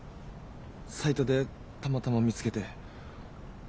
サイトでたまたま見つけて。